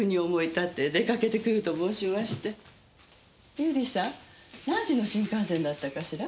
由里さん何時の新幹線だったかしら？